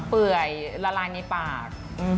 เปื่อยละลายในปาก